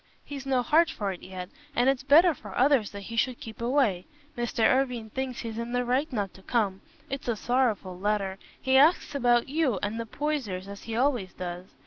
He's no heart for it yet, and it's better for others that he should keep away. Mr. Irwine thinks he's in the right not to come. It's a sorrowful letter. He asks about you and the Poysers, as he always does.